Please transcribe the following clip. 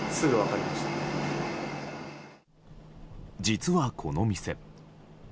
実は、この店。